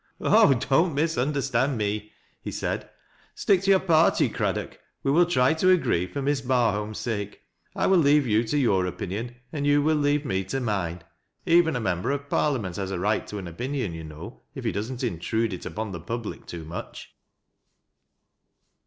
" Oh ! don't misunderstand me," he said, " stick to your party. Craddock. We will try to agree, for Miss Barholui's ABake. I will leave you to your opinion, and you will lea ve me to mine — even a Member of Parliament has a right to 144 TEAT LASS (?' LOWRIBPS. an opinion, you know, if he doesn't intrude it upon th« public too much."